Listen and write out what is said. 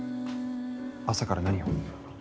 朝から何を？